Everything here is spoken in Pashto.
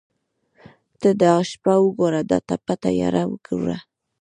ته دا شپه وګوره دا تپه تیاره وګوره.